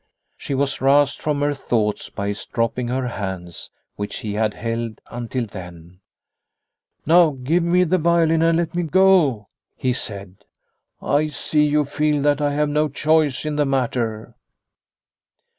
She was roused from her thoughts by his The Home 265 dropping her hands, which he had held until then. " Now give me the violin and let me go," he said. "I see you feel that I have no choice in the matter."